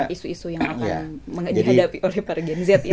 isu isu yang akan dihadapi oleh gen z ini